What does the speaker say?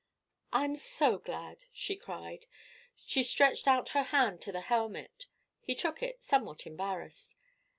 "I'm so glad," she cried. She stretched out her hand to the hermit. He took it, somewhat embarrassed.